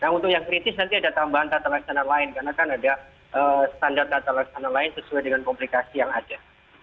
nah untuk yang kritis nanti ada tambahan tata laksana lain karena kan ada standar tata laksana lain sesuai dengan komplikasi yang ada